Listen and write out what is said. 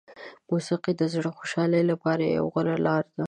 موسیقي د زړه خوشحالي لپاره یوه غوره لاره ده.